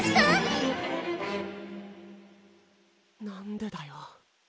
何でだよ。